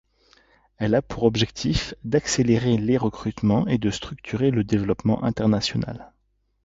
Elle a pour objectif d'accélérer les recrutements et de structurer le développement international.